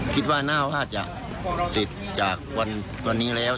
คิดว่าน่าว่าจะสิทธิ์จากวันนี้แล้ว